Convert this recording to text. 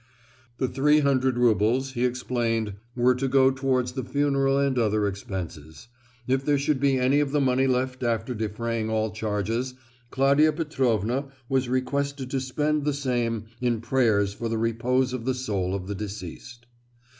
The three hundred roubles, he explained, were to go towards the funeral and other expenses. If there should be any of the money left after defraying all charges, Claudia Petrovna was requested to spend the same in prayers for the repose of the soul of the deceased.